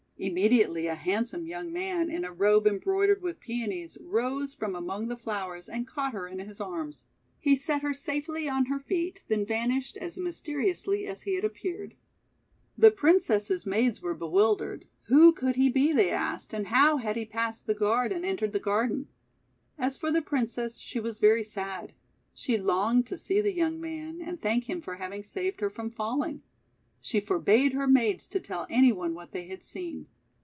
Immediately a handsome young man, in a robe embroidered with Peonies, rose from among the flowers and caught her in his arms. He set her safely on her feet, then vanished as mysteriously as he had appeared. The Princess's maids were bewildered. Who could he be, they asked, and how had he passed PRINCESS PEONY 45 tie guard and entered the garden. As for the Princess she was very sad. She longed to see the young man, and thank him for having saved her from falling. She forbade her maids to tell any one what they had seen.